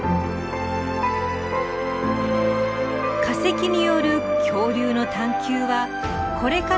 化石による恐竜の探究はこれからも続きます。